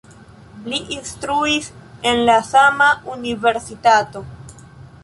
Li instruis en la sama universitato.